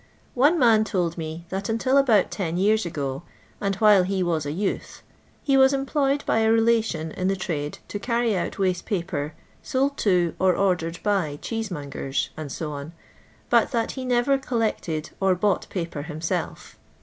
One man told me that until about ten years ago, and while he was a youth, he was em* ^oyed by a rehition in the trade to carry out waste pqier sold to, or ordered by cheesemongers, &e., bat that he never "collected," or bought paper himself.